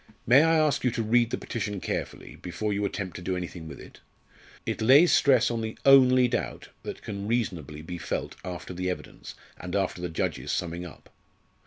"May I ask you to read the petition carefully, before you attempt to do anything with it? It lays stress on the only doubt that can reasonably be felt after the evidence, and after the judge's summing up.